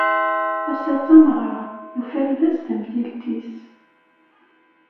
Ass-a d tameɣra, yufa lbaz tamtilt-is.